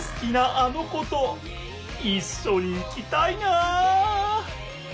あの子といっしょに行きたいな！